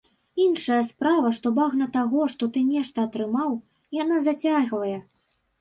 Іншая справа, што багна таго, што ты нешта атрымаў, яна зацягвае.